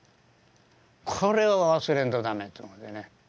これは忘れんと駄目やと思ってね。